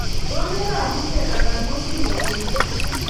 Mokere amune anan koyai kiy kogirinda